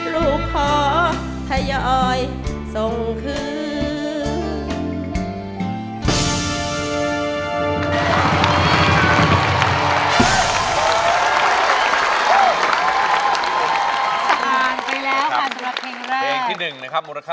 ลูกขอ